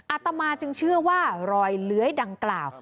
อาตมาจึงเชื่อว่ารอยเลื้อยดังกล่าว